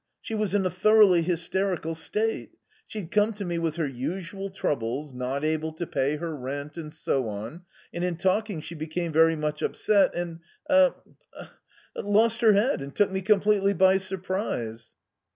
"She was in a thoroughly hysterical state. She'd come to me with her usual troubles not able to pay her rent, and so on and in talking she became very much upset and er er lost her head and took me completely by surprise."